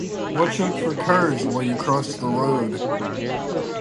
Watch out for cars while you cross the road.